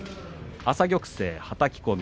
朝玉勢、はたき込み。